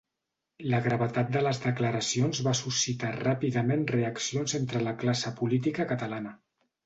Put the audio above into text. La gravetat de les declaracions va suscitar ràpidament reaccions entre la classe política catalana.